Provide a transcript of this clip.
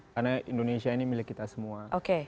karena indonesia ini milik kita semua